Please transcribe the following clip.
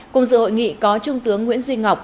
cùng dự hội nghị có trung tướng nguyễn duy ngọc